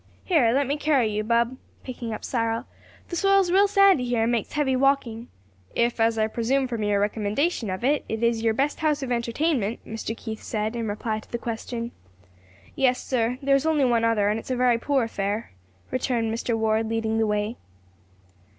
"Here, let me carry you, bub," picking up Cyril, "the soil's real sandy here and makes heavy walking." "If, as I presume from your recommendation of it, it is your best house of entertainment," Mr. Keith said, in reply to the question. "Yes, sir, there's only one other, and it's a very poor affair," returned Mr. Ward, leading the way.